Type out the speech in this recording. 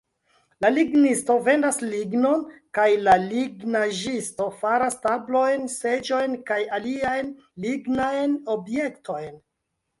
La lignisto vendas lignon, kaj la lignaĵisto faras tablojn, seĝojn kaj aliajn lignajn objektojn.